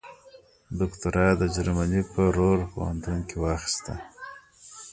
دوکتورا یې د جرمني په رور پوهنتون کې واخیسته.